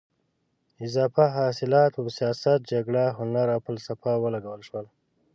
اضافه حاصلات په سیاست، جګړه، هنر او فلسفه ولګول شول.